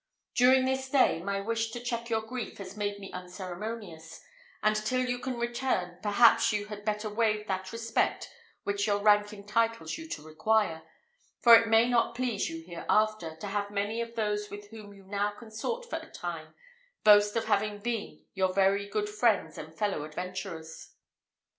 During this day, my wish to check your grief has made me unceremonious, and till you can return, perhaps you had better waive that respect which your rank entitles you to require, for it may not please you hereafter, to have many of those with whom you now consort for a time, boast of having been your very good friends and fellow adventurers."